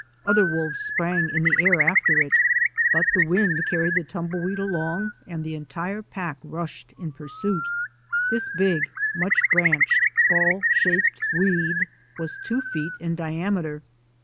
Other wolves sprang in the air after it, but the wind carried the tumble weed along and the entire pack rushed in pursuit. This big, much branched, ball shaped weed was two feet in diameter.